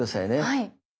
はい。